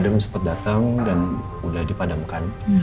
udah pemadam sempat datang dan udah dipadamkan